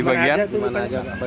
di bagian gimana aja